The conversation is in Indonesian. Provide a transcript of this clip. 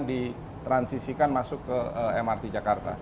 ditransisikan masuk ke mrt jakarta